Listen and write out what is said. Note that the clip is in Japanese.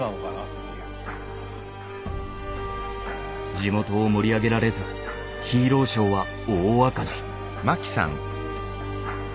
地元を盛り上げられずヒーローショーは大赤字。